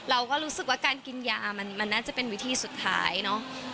เราก็รู้สึกว่าการกินยามันน่าจะเป็นวิธีสุดท้ายเนอะ